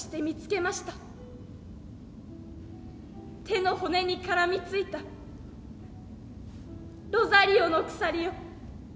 手の骨に絡みついたロザリオの鎖を。